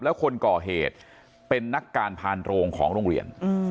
แล้วคนก่อเหตุเป็นนักการพานโรงของโรงเรียน